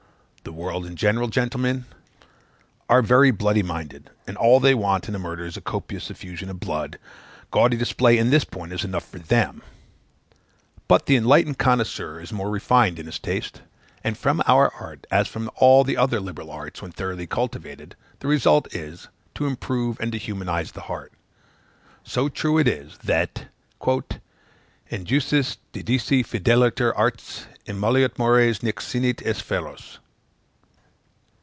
The world in general, gentlemen, are very bloody minded; and all they want in a murder is a copious effusion of blood; gaudy display in this point is enough for them. But the enlightened connoisseur is more refined in his taste; and from our art, as from all the other liberal arts when thoroughly cultivated, the result is to improve and to humanize the heart; so true is it, that "Ingenuas didicisse fideliter artes, Emollit mores, nec sinit esse feros."